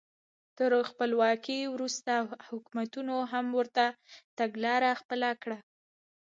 تر خپلواکۍ وروسته حکومتونو هم ورته تګلاره خپله کړه.